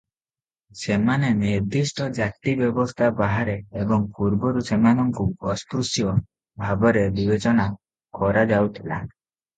ସେମାନେ ନିର୍ଦ୍ଦିଷ୍ଟ ଜାତି ବ୍ୟବସ୍ଥା ବାହାରେ ଏବଂ ପୂର୍ବରୁ ସେମାନଙ୍କୁ “ଅସ୍ପୃଶ୍ୟ” ଭାବରେ ବିବେଚନା କରାଯାଉଥିଲା ।